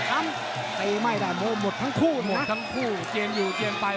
ยังไงไปไม่งั้นมาหมดทั้งคู่หมดทั้งคู่เจียงอยู่เจียงไป